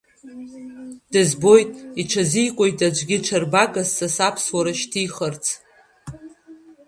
Дызбоит, иҽазикуеит аӡәгьы ҽырбагас са саԥсуара шьҭихырц.